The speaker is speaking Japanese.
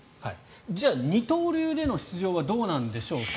じゃあ二刀流での出場はどうなんでしょうか。